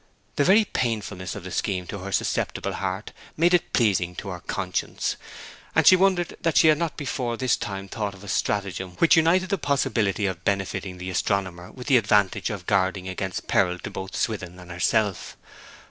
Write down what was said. The very painfulness of the scheme to her susceptible heart made it pleasing to her conscience; and she wondered that she had not before this time thought of a stratagem which united the possibility of benefiting the astronomer with the advantage of guarding against peril to both Swithin and herself.